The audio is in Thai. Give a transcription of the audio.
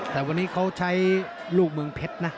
แต่วันนี้เขาใช้ลูกเมืองเพชรนะ